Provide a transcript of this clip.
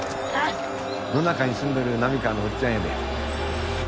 野中に住んどる波川のおっちゃんやで。